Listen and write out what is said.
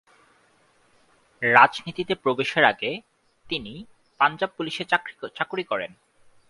রাজনীতিতে প্রবেশের আগে তিনি পাঞ্জাব পুলিশে চাকুরি করেন।